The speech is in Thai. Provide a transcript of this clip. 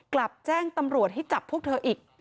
กลับแจ้งตำรวจให้จับพวกเธออีก